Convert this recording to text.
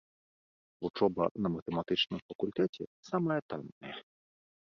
Вучоба на матэматычным факультэце самая танная.